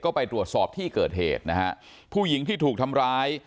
ก็ไปตรวจสอบที่เกิดเหตุนะฮะผู้หญิงที่ถูกทำร้าย